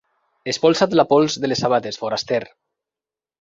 Espolsa't la pols de les sabates, foraster.